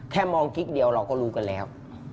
มองกิ๊กเดียวเราก็รู้กันแล้ว